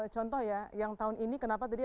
contoh ya yang tahun ini kenapa tadi